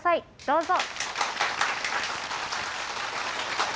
どうぞ。